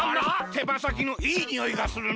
てばさきのいいにおいがするな。